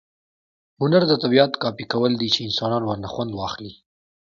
هنر د طبیعت کاپي کول دي، چي انسانان ورنه خوند واخلي.